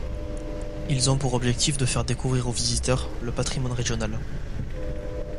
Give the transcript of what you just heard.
Ils ont pour objectifs de faire découvrir aux visiteurs le patrimoine régional.